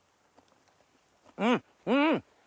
うんうん！